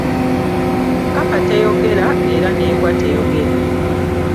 Kkapa teyogera era n'embwa teyogera.